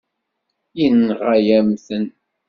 Yenɣa-yam-ten.